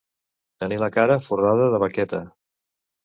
Tenir la cara forrada de baqueta.